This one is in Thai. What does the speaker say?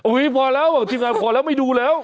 อุ๊ยพอแล้วหวังทีมงานพอแล้วไม่ดูแล้ว